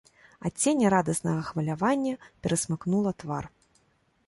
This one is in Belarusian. Адценне радаснага хвалявання перасмыкнула твар.